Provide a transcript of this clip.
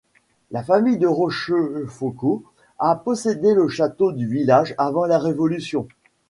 La famille de la Rochefoucauld a possédé le château du village avant la Révolution.